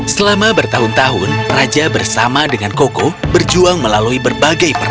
selama bertahun tahun raja bersama dengan koko berjuang melalui berbagai peran